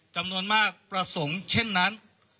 จำนวนมากประสงค์เช่นนั้น